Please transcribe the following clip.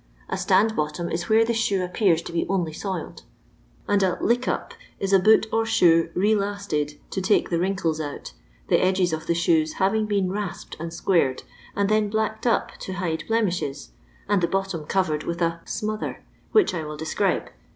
A ' stand bottom ' is where the shoe appears to be only soiled, and a ' lick up ' is a boot or shoe re lasted to take the wrinkles out, the edges of the soles having been rasped and sqiuired, and then blacked up to hide blemishes, and the bottom covered with a / smo ther,' which I will describe.